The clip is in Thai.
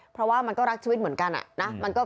เพราะว่ามันก็รักชีวิตเหมือนกันนะ